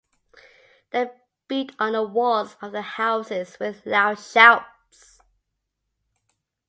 They beat on the walls of the houses with loud shouts.